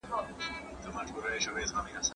د جګړې له امله خلک هره ورځ شهیدان او ټپیان کیږي.